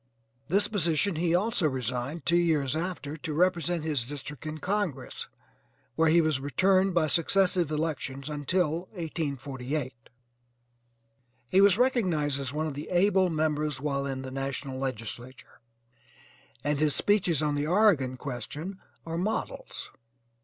This position he also resigned two years after to represent his district in congress where he was returned by successive elections until 1848. He was recognized as one of the able members while in the national legislature, and his speeches on the Oregon question are models.